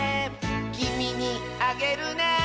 「きみにあげるね」